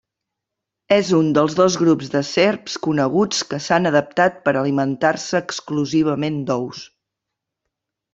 És un dels dos grups de serps coneguts que s'han adaptat per alimentar-se exclusivament d'ous.